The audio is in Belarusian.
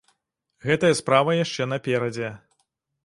Гэтая справа яшчэ наперадзе.